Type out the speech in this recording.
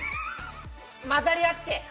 混ざり合って。